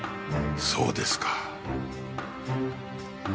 そうですか。